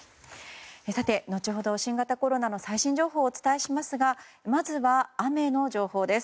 後ほど新型コロナの最新情報をお伝えしますがまずは、雨の情報です。